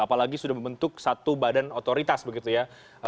apalagi sudah membentuk satu badan otoritas begitu ya